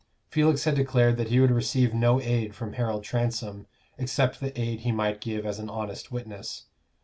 Felix had declared that he would receive no aid from Harold Transome, except the aid he might give as an honest witness.